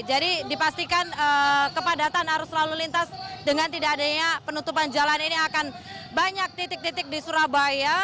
jadi dipastikan kepadatan arus lalu lintas dengan tidak adanya penutupan jalan ini akan banyak titik titik di surabaya